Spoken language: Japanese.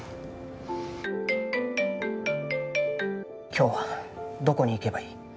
今日はどこに行けばいい？